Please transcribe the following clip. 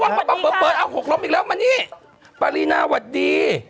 มาเอาอ้าวระวังเปิดเอาหกล้มอีกแล้วมานี่ปารีนาสวัสดี